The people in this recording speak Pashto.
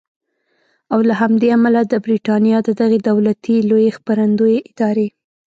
او له همدې امله د بریټانیا د دغې دولتي لویې خپرندویې ادارې